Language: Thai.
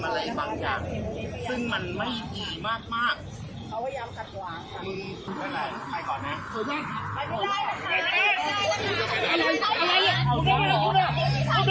ครับจำสิไม่จำจำสิถ้าจำถ้าคุณมีผมจำแม่ไม่จำสิ